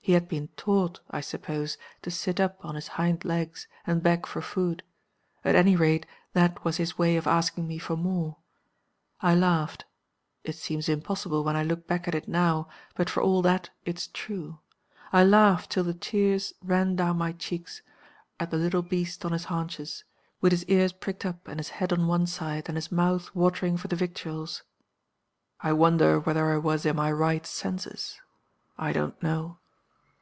He had been taught (I suppose) to sit up on his hind legs and beg for food; at any rate, that was his way of asking me for more. I laughed it seems impossible when I look back at it now, but for all that it's true I laughed till the tears ran down my cheeks, at the little beast on his haunches, with his ears pricked up and his head on one side and his mouth watering for the victuals. I wonder whether I was in my right senses? I don't know.